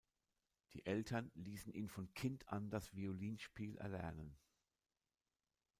Die Eltern ließen ihn von Kind an das Violinspiel erlernen.